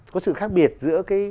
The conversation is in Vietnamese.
có sự khác biệt giữa